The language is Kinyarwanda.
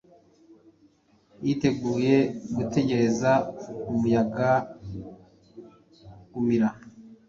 Yiteguye gutegereza umuyaga-umira